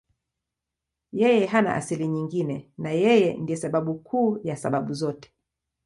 Yeye hana asili nyingine na Yeye ndiye sababu kuu ya sababu zote.